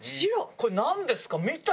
これなんですか？